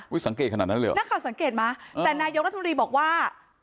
สังเกตขนาดนั้นเลยเหรอนักข่าวสังเกตไหมแต่นายกรัฐมนตรีบอกว่า